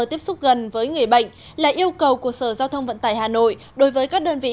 tiếp xúc gần với người bệnh là yêu cầu của sở giao thông vận tải hà nội đối với các đơn vị